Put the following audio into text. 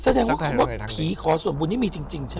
แสดงว่าคิดว่าผีขอส่วนบุญนี่มีจริงใช่ไหม